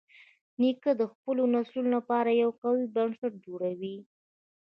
نیکه د خپلو نسلونو لپاره یو قوي بنسټ جوړوي.